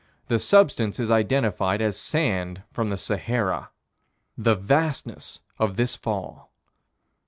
The substance is identified as sand from the Sahara. The vastness of this fall.